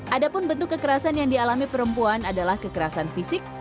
ada pun bentuk kekerasan yang dialami perempuan adalah kekerasan fisik